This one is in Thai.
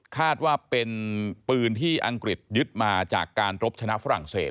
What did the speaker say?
คาดว่าเป็นปืนที่อังกฤษยึดมาจากการรบชนะฝรั่งเศส